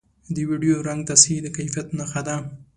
د ویډیو رنګ تصحیح د کیفیت نښه ده